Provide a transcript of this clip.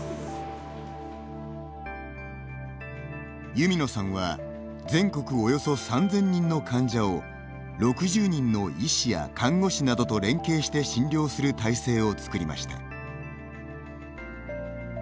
弓野さんは全国およそ３０００人の患者を６０人の医師や看護師などと連携して診療する体制を作りました。